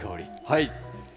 はい。